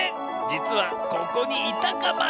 じつはここにいたカマ。